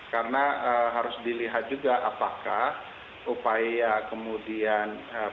karena harus dilihat juga apakah upaya kemudian